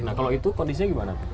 nah kalau itu kondisinya gimana